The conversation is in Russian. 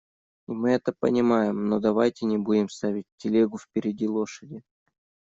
И мы это понимаем, но давайте не будем ставить телегу впереди лошади.